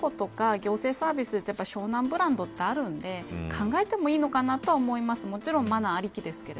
ごみ箱とか行政サービスで湘南ブランドってあるんで考えてもいいのかなとは思います。